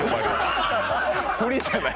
フリじゃない。